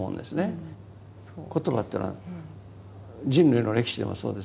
言葉というのは人類の歴史でもそうです。